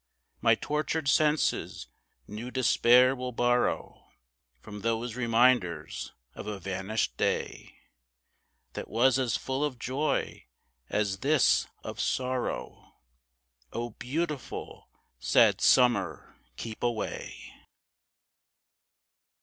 My tortured senses new despair will borrow From those reminders of a vanished day, That was as full of joy as this of sorrow O beautiful, sad summer keep away!